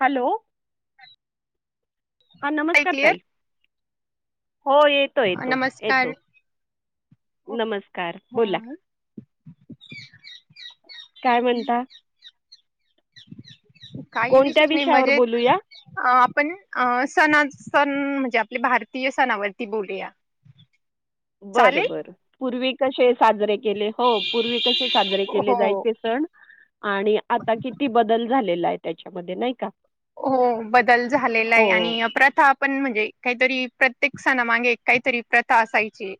Hello. हा काय नमस्कार क्लिअर ताई. हो, येतो येतो नमस्कार येतो नमस्कार. बोला काय म्हणता? [inaudible] काही कोणत्या विशेष नाही विषयावर मजेत. बोलूया आ आपण अ सणा सण म्हणजे आपले भारतीय सणावरती बोलूया. बरं चालेल बर. पूर्वी कसे साजरे. हो पूर्वी कसे साजरे केले हो जायचे सण. आणि आता किती बदल झालेला आहे. त्याच्यामध्ये नाही का? हो बदल झालेला हो आहे. आणि प्रथा आपण म्हणजे काहीतरी प्र प्रत्येक सना मागे काहीतरी एक प्रथा असायची.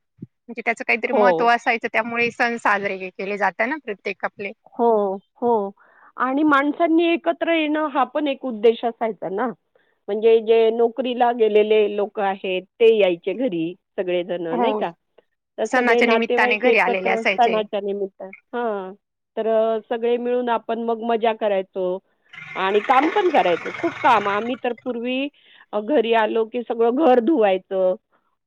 म्हणजे त्याचं काहीतरी हो महत्व असायच त्यामुळे. सण साजरे केले जात ना. प्रत्येक आपले हो. हो. आणि माणसांनी एक एकत्र येण हा पण एक उद्देश असायचा ना. म्हणजे जे नोकरीला गेलेले लोक आहेत. ते यायचे घरी सगळे जण. हो नाही का. तर सगळे सणाच्या निमित्ताने नातेवाईक घरी आलेले एकत्र असायचे असताना त्या निमित्त हा हो सगळे मिळून आपण मग मज्जा करायचो. आणि काम पण करायचो. खूप काम. आम्ही तर पूर्वी घरी आलो की. सगळ घर धुवायच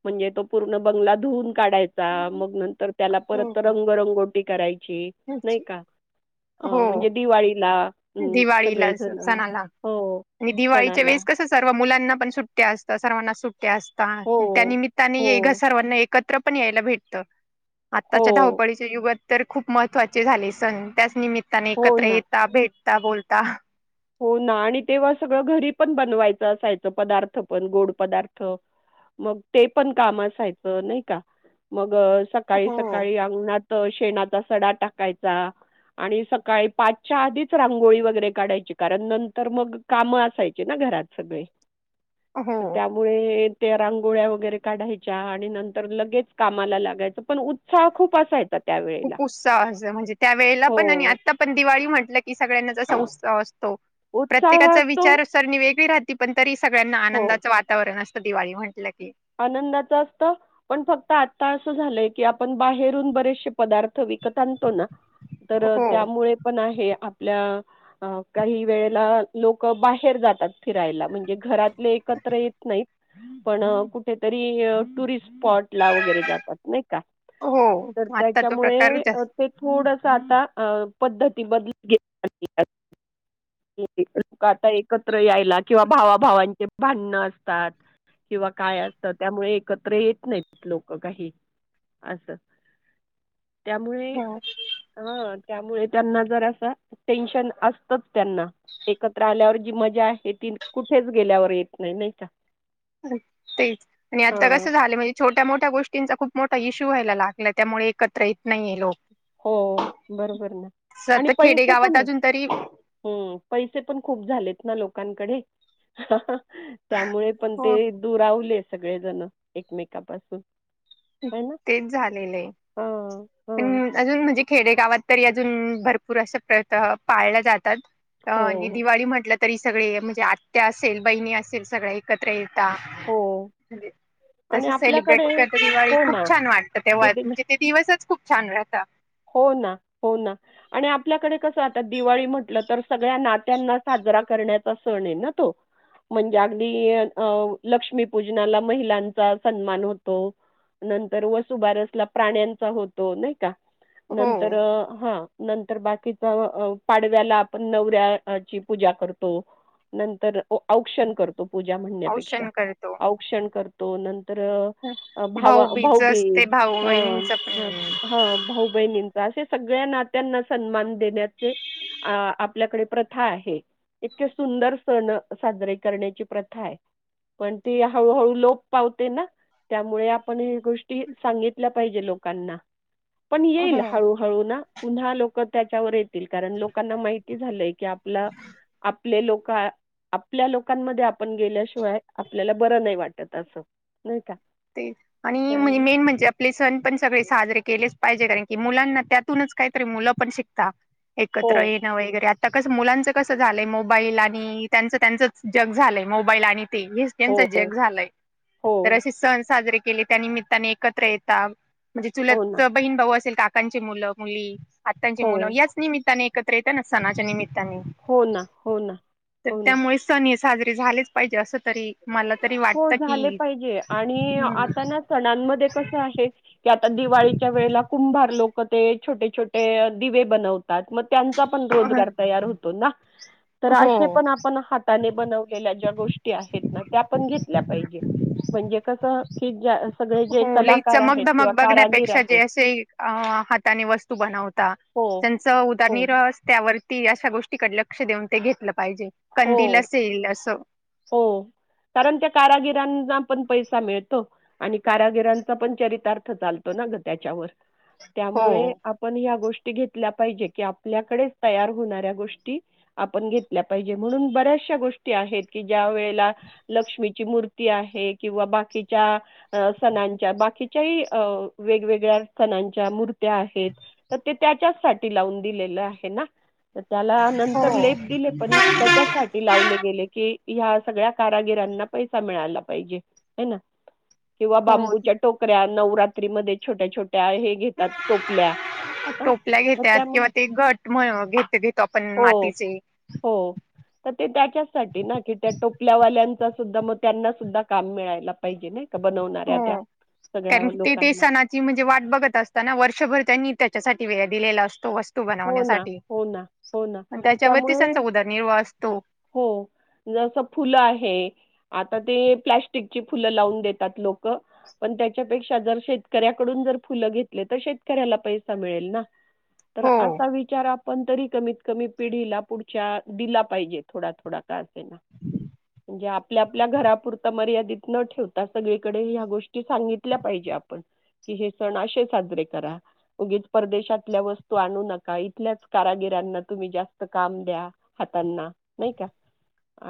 म्हणजे तो पूर्ण बंगला धूवून काढायचा. मग नंतर त्याला हो परत हो रंगरंगोटी करायची. ची. नाही अच्छा. का? अ हो म्हणजे दिवाळीला हं, दिवाळीला सगळेजण सणाला. हो आणि दिवाळीच्या सणाला वेळेस कस सर्व मुलांना पण सुट्ट्या असता. सर्वांना सु ट्या. असता हो त्या निमित्ताने हो ए सर्वांना एक एकत्र पण यायला भेटत. आत्ताच्या हो धावपळीच्या युगात तर खूप महत्त्वाचे झाले सण. त्याच निमित्त नी हो एकत्र ना येेता, भेट त्या बोलता हो ना आणि तेव्हा सगळं घरी पण बनवायचं असायचं, पदार्थ पण गोड पदार्थ मग ते पण काम असायचं, नाही का मग? ग सकाळी हो सकाळी अंगणात त अ शेणाचा सडा टाकायचा आणि सकाळी पाचच्या आधीच रांगोळी वगैरे काढायची. कारण नंतर मग, काम असायची ना घरात सगळे. तर हो त्यामुळे त्या रांगोळ्या वगैरे काढायच्या आणि नंतर लगेच कामाला लागायचं, पण उत्साह खूप असायचा. त्यावेळेला. खूप उत्साह, अस म्हणजे त्या वेळेला हो. पण आणि आता पण दिवाळी म्हटलं की, सगळ्यांना जसा उत्साह अस तो. उत्साह प्रत्येकाचा असतो विचार सरणी वेगळी राहते. ती पण तरीस सगळ्यांना हो. आनंदाच वातावरण अस दिवाळी म्हण आनंदाच असतं पण फक्त आता असं झालंय की आपण बाहेरून बरेचशे पदार्थ विकत आणतो ना तर हो त्यामुळे पण हे आपल्या काही वेळेला लोक बाहेर जातात. फिरायला म्हणजे घरातले एकत्र येत नाहीत. पण कुठ कुठेतरी टूरिस्ट वाटला वगैरे जातात नाही का हो आता तो प्रकार त्याच्यामुळे जास्त ते थोड. आता पद्धती बदलत लोक आता एकत्र यायला किंवा भावा -भावांचे भांडण असतात किंवा काय असत त्यामुळे एकत्र येत नाहीत लोक काही असं! त्यामुळे हो आ्हा त्यामुळे त्यांना जरा असं टेन्शन असतच त्यांना, एकत्र आल्यावर जी मजा आहे ती कुठेच गेल्यावर येत नाही नाही का. [inaudible] तेच आणि आता हां. कसं झालं म्हणजे छोट्या मोठ्या गोष्टींचा खूप मोठ इश्यू व्हायला लागलं त्यामुळे एकत्र येत नाहीये लोक. हो बरोबर ना आणि सत पैसे खेडेगावात पण अजून तरी पैसे पण खूप झालेत ना लोक कांकडे. त्यामुळे पण हो ते दुरावले. सगळे जण एकमेकापासून तेच झालेलं आहे हां. हां. पण अजून म्हणजे खेडेगावात तरी अजून भरपूर असं प्रता पाळला जात तात हो, दिवाळी म्हटल तरी सगळे म्हणजे आत्त्या असेल बहिणी असेल सगळ्या एकत्र येणं. हो. आणि सेलिब्रेट आपल्याकडे कर दिवाळी हो खूप ना. छान वातते तेव्हा किती म्हणजे ते दिवसच खूप छान राहत. हो ना हो ना आणि आपल्याकडे कसं आत दिवाळी म्हटलं तर सगळ्या नात्यांना साजरा करण्याचा सण आहे ना तो म्हणजे अगदी लक्ष्मीपूजनाला महिलांचा सन्मान होतो नंतर वसुबारसला प्राण्यांचा होतो. नाही का! हो नंतर हा नंतर बाकीच पाडव्याला आपण नवऱ्याची पूजा करतो. नंतर औक्षण करतो. पूजा म्हणण्यापेक्षा औषण करतो औक्षण करतो. तो नंतर तर भाऊ भावा बीज असते भाऊबीज भाऊ हा बहिणींच हा. पण असे सगळ्या नात्यांना सन्मान देण्याचे आपल्याकडे प्रथा आहे इतके सुंदर सण साजरे करण्याची प्रथा आहे पण ती हळूहळू लोप पावते ना. त्यामुळे आपण ह गोष्टी सांगितल्या पाहिजे लोकांना. पण येईल हो हळूहळू ना पुन्हा लोक त्याच्यावर कारण लोकांना माहिती झालंय की आपला आपले लोक आपल्या लोकांमध्ये आपण गेल्याशिवाय आपल्याला बरं नाही वाटत असं. नाही का ते आणि त्यामुळे मेन म्हणजे आपले सण पण सगळे साजरे केलेच पाहिजे कारण की मुलांना त्यातूनच काहीतरी मुलं पण शिकता. हो एकत्र येणं वगैरे. कस मुलांच कसं झालंय मोबाईल आणि त्यांच त्यांचच जग झालंय मोबाईल आणि हे हो त्यांचा जग झालंय हो तर अशी स साजरे केले त्या निमित्ताने एकत्र येतात. म्हणजे हो ना चुलत बहीण भाऊ असेल का काकांची मुलं मुली आत्तांची हो मुलं याच निमित्ताने एकत्र येत ना सणाच्या निमित्ताने हो ताने ना हो ना तर हो ना त्यामुळे सन साजरे झालेच पाहिजे असं तरी मला तरी वाटतं कि. की आता ना सणांमध्ये कसं आहे, की आता दिवाळीच्या वेळेला कुंभार लोक ते छोटे छोटे दिवे बनवतात मग त्यांचा पण रोजगार तयार होतो ना तर हो असे पण आपण हाताने बनवलेल्या ज्या गोष्टी आहेत ना त्या सांगितल्या पाहिजे म्हणजे कसं की ज्या सगळे जे हो लई कलाकार चमक आहेत किंवा धमक कारागीर बघण्यापेक्षा जे आहेत असे हाताने वस्तू बनवता हो, त्यांचं हो, उदानिरस त्यावर ती अशा गोष्टीकडे लक्ष देऊन ते घेतलं पाहिजे. हो कंदील असेल असं हो कारण त्या कारागिर त्यांना पण पैसा मिळतो आणि कारागिरांचा पण चरितार्थ चालतो ना गं त्याच्यावर. हो त्यामुळे आपण ह्या गोष्टी ते घेतल्या पाहिजे की आपल्याकडे तयार होणाऱ्या गोष्टी आपण घेतल्या पाहिजे म्हणून बऱ्याचश्या गोष्टी आहेत की ज्या वेळेला लक्ष्मीची मूर्ती आहे किंवा बाकीच्या सणांच्या बाकीच्याही वेगवेगळ्या सणांच्या मूर्त्या आहेत, तर ते त्याच्याच साठी लावून दिलेलं आहे ना. तर त्याला हो नंतर लेप दिले. त्याच्याचसाठी लावले गेले की ह्या सगळ्या कारागीरांना पैसा मिळाला पाहिजे हाय ना. किंवा हो बांबूच्या टोकऱ्या नव् रात्रीमध्ये छोट्या छोट्या हे घेतात टोपल्या अ, टोपल्या तर घेत्यात त्यामुळे किंवा ते घट घेत घेतो आपण हो, मातीचे. हो तर ते त्याच्यासाठी ना की त्या टोपल्यावाल्यां मग त्यांना सुध्दा काम मिळायला पाहिजे ना. हो कारण ते ते लोकांना. सणाची म्हणजे वाट बघत असताना वर्षभर त्यांनी त्याच्यासाठी वेळा दिलेला असतो वस हो ना हो ना हो ना त्याच्यावरती त्यामुळे त्यांचा उदरनिर्वाह असतो हो जसं फुलं आहे. आता ते प्लस्टिकची फुलं लावून देतात लोकं पण त्याच्यापेक्षा जर शेतकऱ्याकडून जर फुलं घेतले तर शेतकऱ्याला पैसा मिळेल ना. तर हो असा विचार आपण तरी कमीत कमी पिढीला पुढच्या दिला पाहिजे थोडा थोडा का असेना म्हणजे आपल्या आपल्या घरापुरता मर्यादित न ठेवता सगळीकडे ह्या गोष्टी सांगितल्या पाहिजे आपण कि हे सण असे साजरे करागेच उगीच परदेशातल्या वस्तू तू आणू नका इथल्याच कारागिरांना तुम्ही जास्त काम द्या हातांना नाही का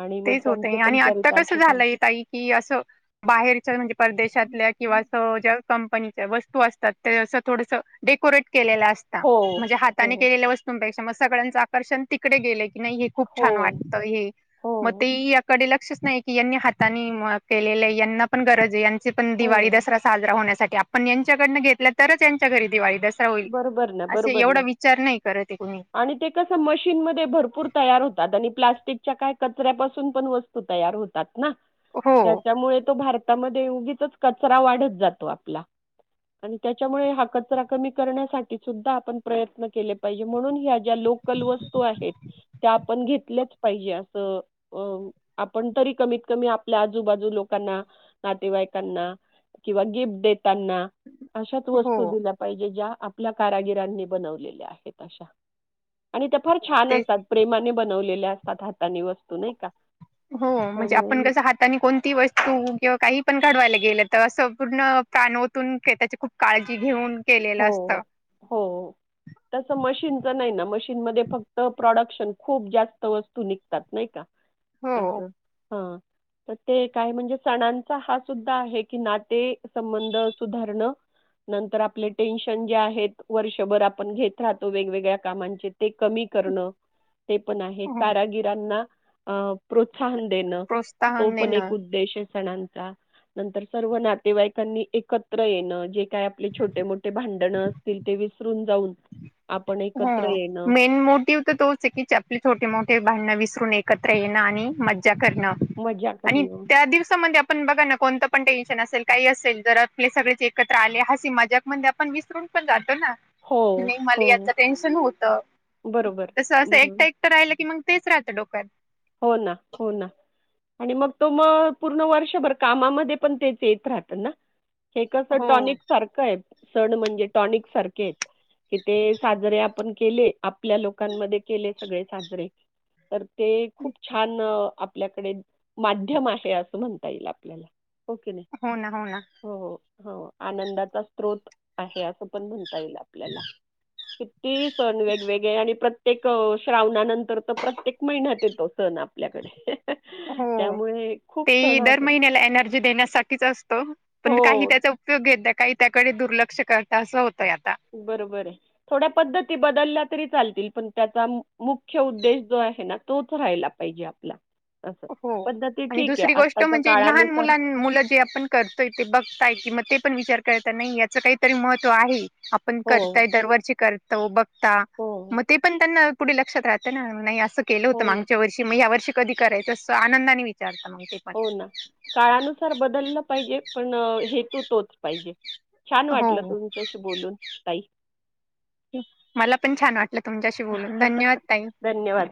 आणि मग तेच होत त्यांचे पण आणि आता कसं चरितार्थ झालंय चालतील ताई कि असं बाहेरच्या म्हणजे परदेशातल्या किंवा अस ज्या कंपनी वस्तू असतात ते असं थोडस डेकोरेट केला असता हो म्हणजे हो हाताने केलेल्या वस्तूपेक्षा ग सगळ्यांच आकर्षण तिकडे गेले नाही हे खूप हो छान वाटत हे हो म याकडेला नाही की हातानी केलेलं आहेना पण गरज आहे पण हो दिवाळी दसरा साजरा होण्यासाठी आपण यांच्याकडनं घेतल्या तरच यांच्या घरी दिवाळीस बबर बरोबर ना करत आहे कुणी आणि ते कस मशीन म भरपूर तर होतात आणि प् प्र्यकच्या काय कचऱ्यापासून पण वस्तू तयार होतात हो त्याच्यामुळे तो भारत क वाढत जातो आप त्यामुळे हा क क करण्यासाठी सुद्धा आपण प्रयत्न केले पाहिजे म्हणून ह्या ज्या लोकल वस्तू आहेत त्या आपण घेतल्याच पाहिजे अस आपण तरी कमीत कमी आपल्या आजूबाजू लोकांना नातेवाईकांना किंवा गिफ्ट देताना अशात हो वस्तू दिल्या पाहिजे आपल्या काराांगीराणी बनलेल्या आहेत अश फार छान ते असतात प्रेमाने बनवलेल्या असतात हातानी वस्तू नाही का हो म्हणजे त्यामुळे आपण कसं हाताने कोणती वस्तू किंवा काही पण काढवाय लागेल गेलं तर असं पूर्ण प्राणवतून त्याची खूप काळजी घेऊन केलेलं असतं. तन नाही म फक्त प्रोडक्शन खूप जास्त वस्तू निघतात नाही का हो अ हा तर ते काय म्हणजे सणांचा हा सुद्धा आहे की नाते संबंध सुधारण नंतर आपले टेन्शन जे आहेत वर्षभर आपण घेत राहतो वेगवेगळ्या कामांचे ते कमी करण ते पण आहे हो कारागिरांना अ प्रोत्साहन देणं, तो प्रोत्साहन पण एक देणं उद्देश सनांचा नंतर, सर्व नातेवाईकांनी एकत्र येणं, जे काय आपले छोटे मोठे. पसरून जाऊन. आपण एकत्र हा.. येणं, मेन मोटिव्ह तर तोच आहे, की आपली छोटे मोठे भांडने विसरू त एकत्र येणं आणि म ज्जा क‌रण मजा आणि करणं. त्या, दिवसामध्ये आपण बघा ना कोणत. पण टेन्शन असेल काही असेल, जर आपले सगळेच एकत्र आले हासी मजाक मध्ये आपण विसरून पण जातो. हो, [unintelligible] हो. टेन्शन होत. बरोबर, तस असं एकट बरोबर. एकटं राहिलं की मग, तेच राहतं डोक्यात. हो ना हो ना आणि मग तो मग, पूर्ण वर्षभर कामामध्ये पण तेच येत राहत ना. हे कसं हो टॉनिक सारख येत. सण म्हणजे टॉनिक सारखे आहेत. कि ते साजरे आपण केले आपल्या लोकांमध्ये केले सगळे साजरे तर ते, खूप छान आपल्याकडे माध्यम आहे. असं म्हणता येईल आपल्याला, हो की नाही. हो ना ना. हो हो हो आनंदाचा स्रोत आहे. असं पण म्हणत ईल आपल्याला. [unintelligible] ती सण वेगवेगळे आणि प्रत्य ते.. क श्रावणानंतर तर प्रत्येक महिन्यात येतो. सन आपल्याकडे, हो त्यामुळे खूप ते सण दर आहेत. महिन्याला एनर्जी देण्यासाठीच असतो. पण काही हो, त्याचा उपयोग घेत काही त्याकडे दुर्ल दुर्लक्ष करता असं होत. बरोबर आहे थोड्या पद्धती बदलल्या. तरी चालतील पण त्याचा, मुख्य उद्देश जो आहे ना तोच राहिला पाहिजे आपला. असं. हो. पद्धती आणि ठीक आहे दुसरी गोष्ट आत्ताच्या म्हणजे, लहान काळानुसार मुलां मुलं जे आपण करतोय. ते बघताय कि मग ते पण विचार कळत नाही याचं काहीतरी महत्व आहे. आपण हो, करताय दरवर्षी करत. तव बक. ता हो, म ते पण त्यांना, पुढे लक्षात राहतं ना, नाही असं सं केल होतं हो ना, मागच्या वर्षी मी यावर्षी कधी कराचं. तस आनंदानेचत विचा हो ना, काळानुसार बदललं पाहिजे. पण हेेतू तोच पाहिजे. छान हो. वाटलं तुमच्याशी बोलून ताई. मला पण छान वाटलं तुमच्याशी बोलून धन्यवाद ताई. धन्यवाद.